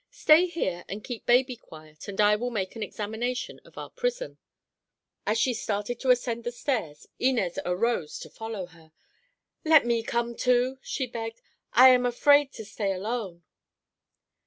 Stay here and keep baby quiet and I will make an examination of our prison." As she started to ascend the stairs Inez arose to follow her. "Let me come, too," she begged. "I am afraid to stay alone."